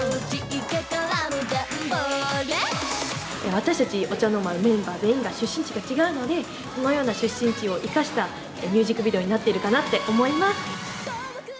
私たち、オチャノーマのメンバー全員が出身地が違うので、このような出身地を生かしたミュージックビデオになってるかなって思います。